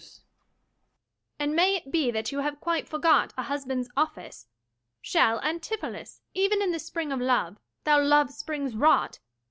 _ Luc. And may it be that you have quite forgot A husband's office? shall, Antipholus, Even in the spring of love, thy love springs rot?